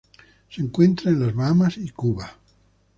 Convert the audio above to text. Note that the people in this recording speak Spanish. Se encuentra en las Bahamas y Cuba.